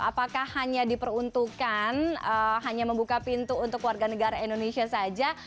apakah hanya diperuntukkan hanya membuka pintu untuk warga negara indonesia saja